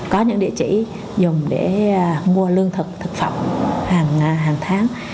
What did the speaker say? có những địa chỉ dùng để mua lương thực thực phẩm hàng tháng